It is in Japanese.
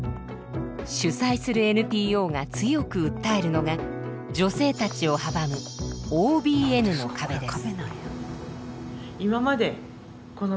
主催するＮＰＯが強く訴えるのが女性たちを阻むＯＢＮの壁です。